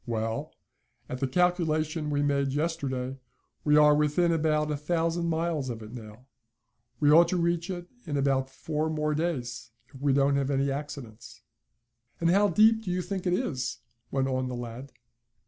"Well, at the calculation we made yesterday, we are within about a thousand miles of it now. We ought to reach it in about four more days, if we don't have any accidents." "And how deep do you think it is?" went on the lad.